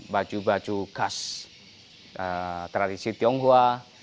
baju baju khas tradisi tionghoa